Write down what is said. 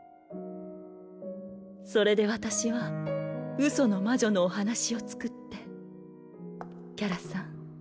それで私はうその魔女のお話を作ってキャラさん